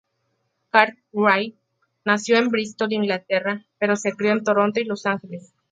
Cartwright, nació en Bristol, Inglaterra, pero se crio en Toronto y Los Ángeles.